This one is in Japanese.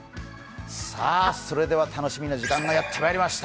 それでは楽しみな時間がやってまいりました。